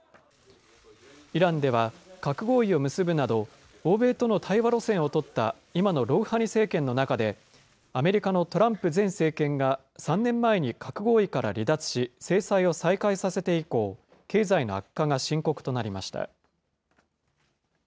イランでは、核合意を結ぶなど、欧米との対話路線を取った今のロウハニ政権の中で、アメリカのトランプ前政権が３年前に核合意から離脱し、制裁を再開させて以降、経済の悪化が深刻となりました。